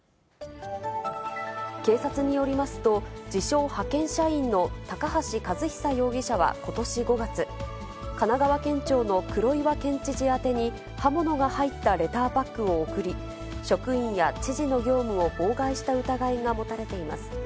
警察によりますと、自称派遣社員の高橋和久容疑者はことし５月、神奈川県庁の黒岩県知事宛てに、刃物が入ったレターパックを送り、職員や知事の業務を妨害した疑いが持たれています。